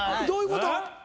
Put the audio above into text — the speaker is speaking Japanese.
どういうこと？